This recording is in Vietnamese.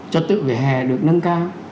cho tự vỉa hè được nâng cao